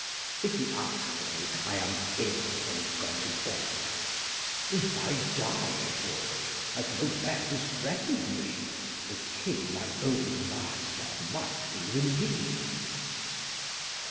If he ask for me, I am ill and gone to bed. Though I die for't, as no less is threat'ned me, the King my old master must be relieved.